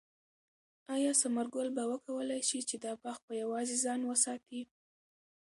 آیا ثمر ګل به وکولای شي چې دا باغ په یوازې ځان وساتي؟